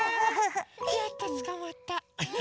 やっとつかまった。